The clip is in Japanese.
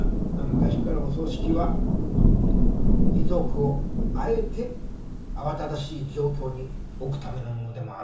昔からお葬式は遺族をあえて慌ただしい状況に置くためのものでもあるっていうよね。